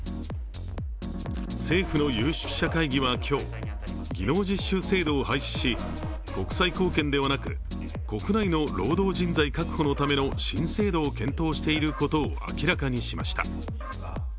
政府の有識者会議は今日、技能実習制度を廃止し国際貢献ではなく、国内の労働人材確保のための新制度を検討していることを明らかにしました。